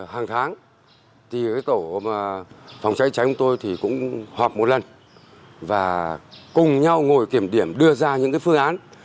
hàng tháng thì tổ phòng cháy cháy của tôi thì cũng họp một lần và cùng nhau ngồi kiểm điểm đưa ra những phương án